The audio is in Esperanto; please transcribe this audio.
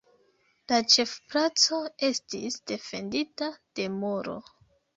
La ĉefplaco estis defendita de muro.